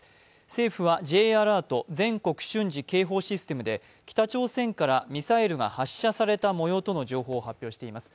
政府はＪアラート、全国瞬時警報システムで北朝鮮からミサイルが発射されたもようと発表しています。